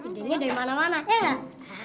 ide nya dari mana mana ya gak